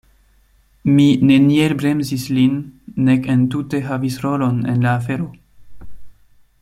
Mi neniel bremsis lin nek entute havis rolon en la afero.